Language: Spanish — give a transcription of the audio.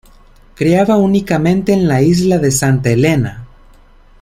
Criaba únicamente en la isla de Santa Elena.